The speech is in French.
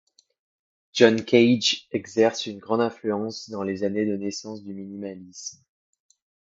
John Cage exerce une grande influence dans les années de naissance du minimalisme.